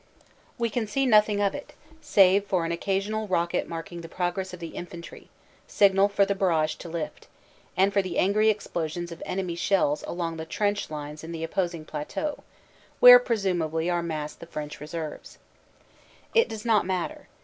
We can see nothing of it, save for an occasional rocket marking the progress of the infantry, signal for the barrage to lift; and for the angry explosions of enemy shells along the trench lines on the opposing plateau, where presumably are massed the French reserves. It does not matter.